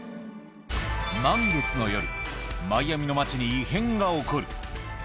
満月の夜、マイアミの街に異変が起こる。